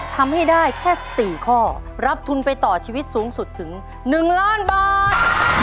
ทำให้ได้แค่๔ข้อรับทุนไปต่อชีวิตสูงสุดถึง๑ล้านบาท